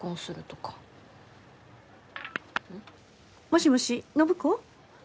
もしもし暢子？